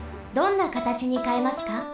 どんな形にかえますか？